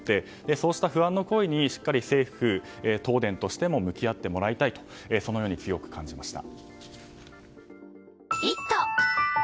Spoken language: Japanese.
そうした不安の声にしっかり政府、東電としても向き合ってもらいたいとそのように強く感じました。